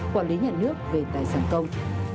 quản lý nhà nước về tài sản công